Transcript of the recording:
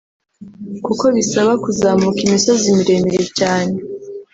kuko bibasaba kuzamuka imisozi miremire cyane